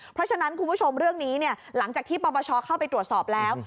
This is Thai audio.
เพราะฉะนั้นคุณผู้ชมเรื่องนี้หลังจากที่ปปชเข้าไปตรวจสอบแล้ว